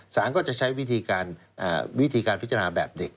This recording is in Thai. สามก็จะใช้วิธีการพิจารณาแบบเด็ก